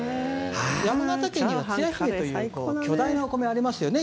山形県には、つや姫という巨大なお米がありますよね。